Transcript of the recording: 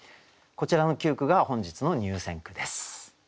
こちらの９句が本日の入選句です。